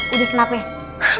iduh kenapa ya